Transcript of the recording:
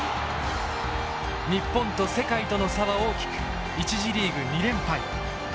日本と世界との差は大きく１次リーグ２連敗。